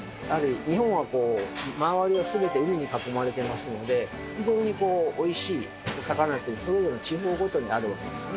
日本はこう周りを全て海に囲まれていますので非常に美味しいお魚がそれぞれの地方ごとにあるわけですね。